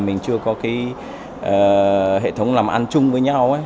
mình chưa có cái hệ thống làm ăn chung với nhau